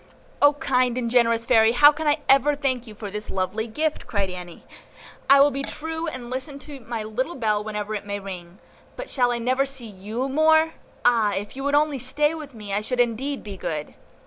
"O kind and generous Fairy, how can I ever thank you for this lovely gift!" cried Annie. "I will be true, and listen to my little bell whenever it may ring. But shall I never see YOU more? Ah! if you would only stay with me, I should indeed be good."